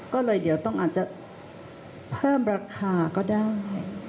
ก็เลยเดี๋ยวต้องอาจจะเพิ่มราคาก็ได้